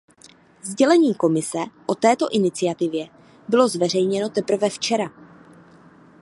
Sdělení Komise o této iniciativě bylo zveřejněno teprve včera.